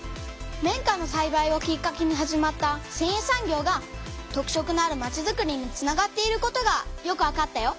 綿花のさいばいをきっかけに始まったせんい産業が特色のあるまちづくりにつながっていることがよくわかったよ。